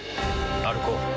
歩こう。